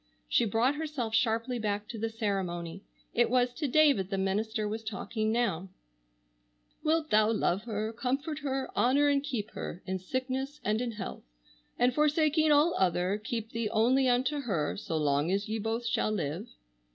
She brought herself sharply back to the ceremony. It was to David the minister was talking now: "Wilt thou love her, comfort her, honor and keep her, in sickness and in health, and forsaking all other, keep thee only unto her, so long as ye both shall live?"